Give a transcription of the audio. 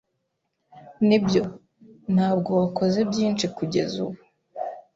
Nibyo, ntabwo wakoze byinshi kugeza ubu.